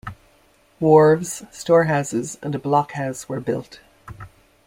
Wharves, storehouses and a block-house were built.